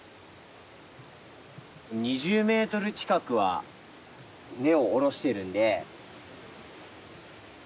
２０メートル近くは根を下ろしてるんで。